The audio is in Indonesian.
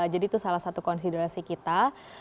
jadi itu salah satu konsiderasi kita